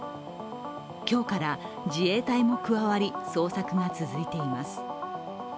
今日から自衛隊も加わり捜索が続いています。